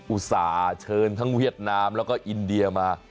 อุตส่าห์เชิญทั้งเวียดนามแล้วก็อินเดียมา